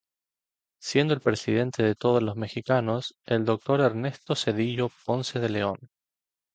Siendo el Presidente de todos los Mexicanos el Dr. Ernesto Zedillo Ponce de León.